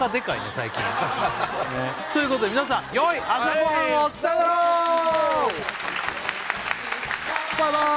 最近ということで皆さんよい朝ごはんをさよならバイバイ